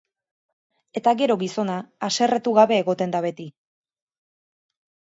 Eta gero gizona haserretu gabe egoten da beti.